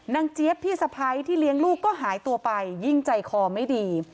เจี๊ยบพี่สะพ้ายที่เลี้ยงลูกก็หายตัวไปยิ่งใจคอไม่ดี